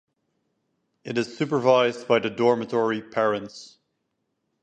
It is supervised by the dormitory parents.